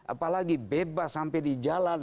apalagi bebas sampai di jalan